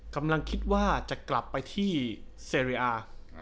กำลังคิดว่าจะกลับไปที่เซเรียอา